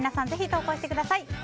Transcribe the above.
ぜひ投稿してください。